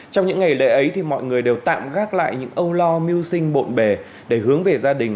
trong những ngày lễ ấy thì mọi người đều tạm gác lại những âu lo miêu sinh bộn bề để hướng về gia đình